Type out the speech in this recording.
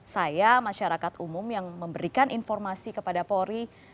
saya masyarakat umum yang memberikan informasi kepada polri